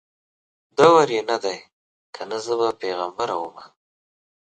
دور یې نه دی کنه زه به پیغمبره ومه